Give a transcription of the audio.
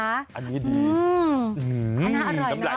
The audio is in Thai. อันนี้ดีอันนั้นอร่อยนะน้ำไหล่